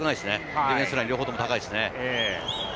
ディフェンスラインが高いですね。